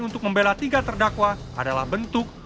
untuk membela tiga terdakwa adalah bentuk